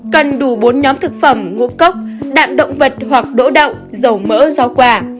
cần đủ bốn nhóm thực phẩm ngũ cốc đạn động vật hoặc đỗ đậu dầu mỡ rau quả